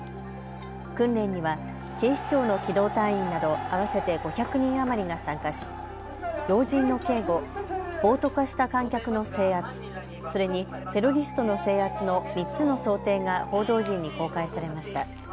訓練には警視庁の機動隊員など合わせて５００人余りが参加し、要人の警護、暴徒化した観客の制圧、それにテロリストの制圧の３つの想定が報道陣に公開されました。